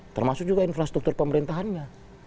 termasuk juga infrastruktur pemerintahannya